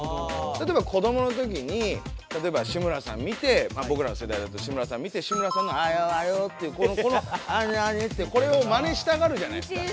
たとえば子どもの時にたとえば志村さん見てまあぼくらのせだいだと志村さん見て志村さんの「あよあよ」っていうこの「あに？あに？」ってこれをマネしたがるじゃないすか。